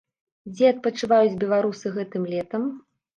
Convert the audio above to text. Дзе адпачываюць беларусы гэтым летам?